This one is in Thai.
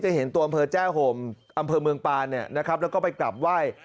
จะเห็นตัวอำเภอแจ้ห่มอำเภอเมืองปาเนี่ยนะครับแล้วก็ไปกลับไหว่